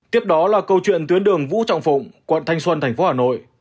tiếp đó là câu chuyện tuyến đường vũ trọng phụng quận thanh xuân thành phố hà nội